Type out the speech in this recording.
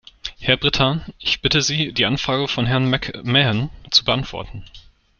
Herr Brittan, ich bitte Sie, die Anfrage von Herrn McMahon zu beantworten.